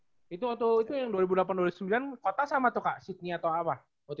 oke itu waktu itu yang dua ribu delapan dua ribu sembilan kota sama tuh kak sydney atau apa